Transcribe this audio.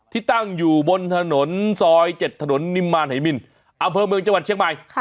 ที่ตั้งอยู่บนถนนซอย๗ถนนนิมมารหายมินอำเภอเมืองจังหวัดเชียงใหม่